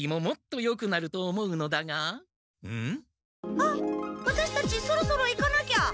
あっワタシたちそろそろ行かなきゃ！